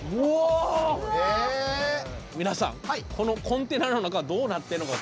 皆さんこのコンテナの中どうなってんのかという。